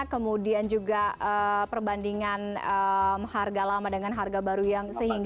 kemudian juga perbandingan harga lama dengan harga baru yang